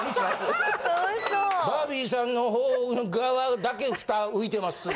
バービーさんの方側だけフタ浮いてますよね。